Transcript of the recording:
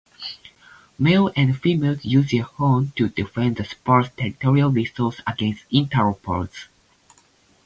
Males and females use their horns to defend the sparse territorial resources against interlopers.